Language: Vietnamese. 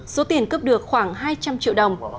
số tiền cướp được khoảng hai trăm linh triệu đồng